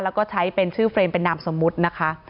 แล้วก็ใช้เป็นชื่อเฟรมเป็นนามสมมุตินะคะ